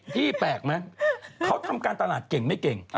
พี่แปลกไหมเขาทำการตลาดเก่งไม่เก่ง